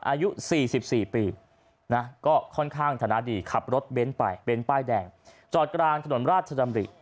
อายุ๔๔ปีนะก็ค่อนข้างฐานะดีขับรถเบ้นไปเบ้นป้ายแดงจอดกลางถนนราชดำริ